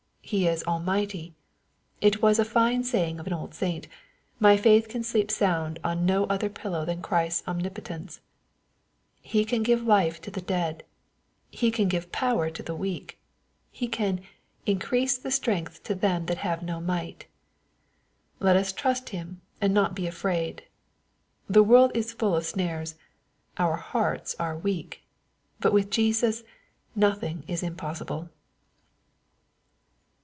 He is Almighty. It was a fine sajdng of an old saint, "my faith can sleep sound on no other pillow than Christ's omnipotence." He can give life to the dead. He can give power to the weak. He can " increase strength to them that have no might." Let us trust him, and not be afraid. The world is full of snares. Our hearts are weak. But with Jesus nothing is im possible.